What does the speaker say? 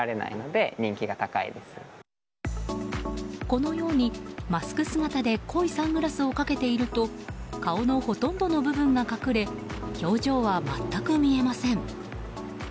このように、マスク姿で濃いサングラスをかけていると顔のほとんどの部分が隠れ表情は全く見えません。